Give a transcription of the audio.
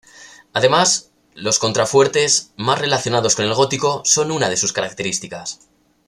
Además, los contrafuertes, más relacionados con el gótico, son una de sus características.